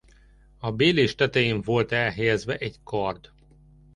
A bélés tetején volt elhelyezve egy kard.